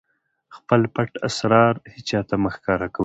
خپل پټ اسرار هېچاته هم مه ښکاره کوئ!